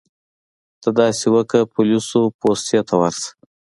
ته داسې وکړه پولیسو پوستې ته ورشه.